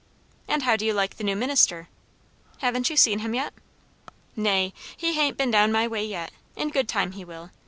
"And how do you like the new minister?" "Haven't you seen him yet?" "Nay. He hain't been down my way yet. In good time he will.